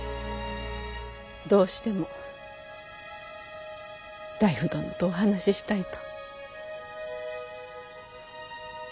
どうしても内府殿とお話ししたいと。